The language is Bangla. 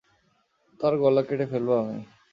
তার গলা কেটে ফেলবো আমি!